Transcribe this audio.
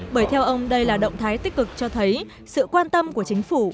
bởi theo ông đây là động thái tích cực cho thấy sự quan tâm của chính phủ